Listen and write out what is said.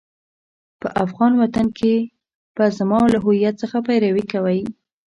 په افغان وطن کې به زما له هويت څخه پيروي کوئ.